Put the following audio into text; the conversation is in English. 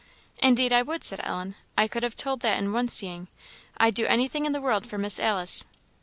"Indeed I would," said Ellen; "I could have told that in one seeing. I'd do anything in the world for Miss Alice."